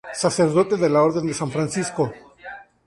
Sacerdote de la Orden de San Francisco.